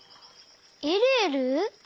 えるえる？